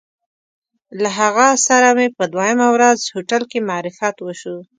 له هغه سره مې په دویمه ورځ هوټل کې معرفت وشو.